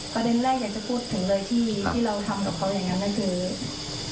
ประเด็นแรกอยากจะพูดถึงเลยที่เราทำกับเขาอย่างนั้นก็คือ